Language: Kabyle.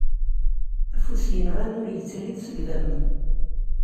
Afus yenɣan ur yettrid seg idammen.